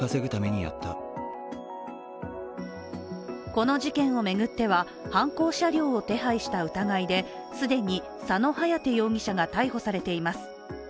この事件を巡っては犯行車両を手配した疑いで既に佐野颯容疑者が逮捕されています。